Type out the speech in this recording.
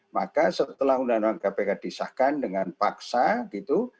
maka setelah undang undang kpk disahkan dengan paksa gitu